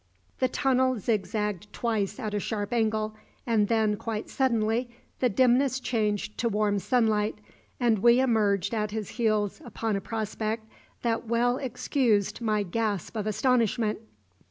The tunnel zigzagged twice at a sharp angle, and then, quite suddenly, the dimness changed to warm sunlight, and we emerged at his heels upon a prospect that well excused my gasp of astonishment.